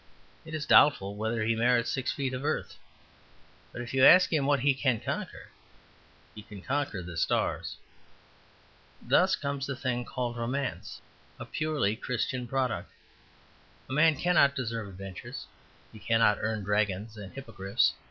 It is doubtful whether he merits six feet of earth. But if you ask him what he can conquer he can conquer the stars. Thus comes the thing called Romance, a purely Christian product. A man cannot deserve adventures; he cannot earn dragons and hippogriffs.